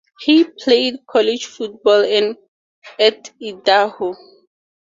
He played college football at Idaho.